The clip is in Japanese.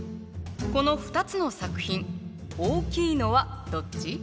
この２つの作品大きいのはどっち？